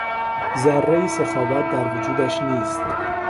ذرهای سخاوت در وجودش نیست.